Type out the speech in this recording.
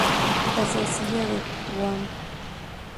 El sencillo de Wham!